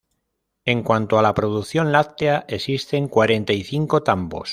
En cuanto a la producción láctea, existen cuarenta y cinco tambos.